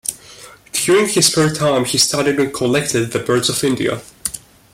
During his spare time he studied and collected the birds of India.